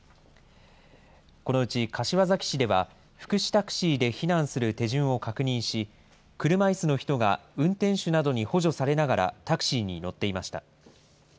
このうち柏崎市では、福祉タクシーで避難する手順を確認し、車いすの人が運転手などに補助されながらタクシーに乗っていました。